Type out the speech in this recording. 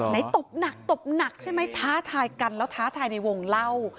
ตบหนักตบหนักใช่ไหมท้าทายกันแล้วท้าทายในวงเล่า